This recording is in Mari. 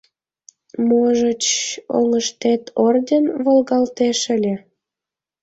Можыч, оҥыштет орден волгалтеш ыле.